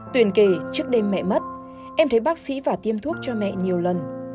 tuyển kể trước đêm mẹ mất em thấy bác sĩ và tiêm thuốc cho mẹ nhiều lần